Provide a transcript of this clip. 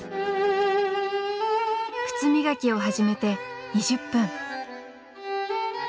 靴磨きを始めて２０分。